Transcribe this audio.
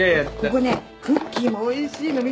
ここねクッキーもおいしいの。